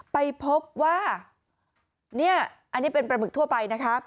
ไปพบว่านี่อันนี้เป็นปลาหมึกทั่วไปนะคะ